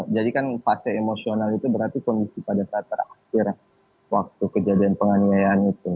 jadi kan fase emosional itu berarti kondisi pada saat terakhir waktu kejadian penganiayaan itu